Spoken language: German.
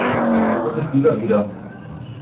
Bundesliga wieder.